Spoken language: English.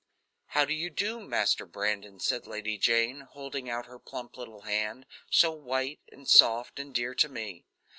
"How do you do, Master Brandon?" said Lady Jane, holding out her plump little hand, so white and soft, and dear to me.